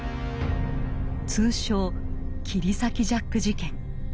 通称切り裂きジャック事件。